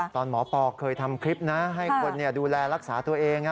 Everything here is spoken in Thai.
ตอนหมอปอเคยทำคลิปนะให้คนดูแลรักษาตัวเอง